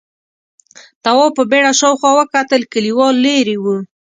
تواب په بيړه شاوخوا وکتل، کليوال ليرې و: